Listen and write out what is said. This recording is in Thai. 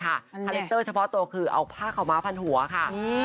คาแรคเตอร์เฉพาะตัวคือเอาผ้าขาวม้าพันหัวค่ะ